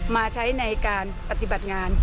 มาใช้ในการปฏิบัติงาน